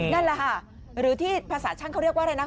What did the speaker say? นั่นแหละค่ะหรือที่ภาษาช่างเขาเรียกว่าอะไรนะ